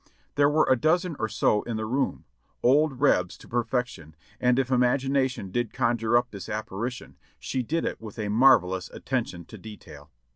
There were a dozen or so in the room ; old Rebs to perfection, and if imagination did conjure up this appari tion, she did it with a marvelous attention to detail.